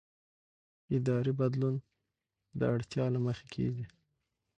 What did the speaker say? اداري بدلون د اړتیا له مخې کېږي